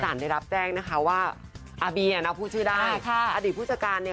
ก็ได้รับแจ้งนะครับว่าอ้าวบีนเอาผู้ชื่อได้ค่ะอดีตผู้จัดการเนี่ย